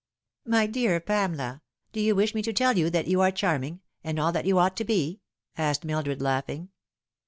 " My dear Pamela, do you wish me to tell you that you are charming, and all that you ought to be ?" asked Mildred, laughing.